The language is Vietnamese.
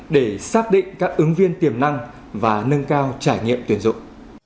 để xác định các ứng viên tiềm năng và nâng cao trải nghiệm tuyển dụng